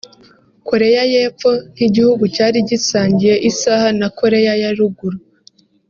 Koreya y’Epfo nk’igihugu cyari gisangiye isaha na Koreya ya Ruguru